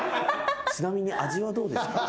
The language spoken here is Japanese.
「ちなみに味はどうですか？」